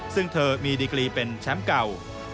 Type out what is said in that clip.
ซึ่งเธอมีดีกรีเป็นแชมป์เก่า